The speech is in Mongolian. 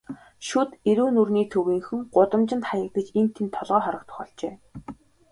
Шүд эрүү нүүрний төвийнхөн гудамжинд хаягдаж, энд толгой хоргодох болжээ.